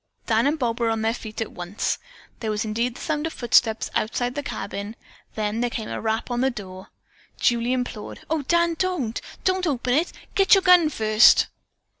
Dan and Bob were on their feet at once. There was indeed the sound of footsteps outside the cabin, then there came a rap on the door. Julie implored: "O Dan, don't! don't open it! Get your gun first!"